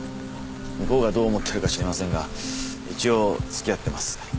向こうがどう思ってるか知りませんが一応付き合ってます。